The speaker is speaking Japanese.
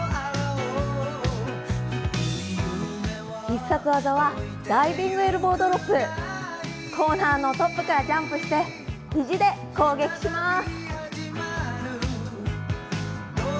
必殺技はダイビング・エルボードロップ、コーナーのトップからジャンプして肘で攻撃します。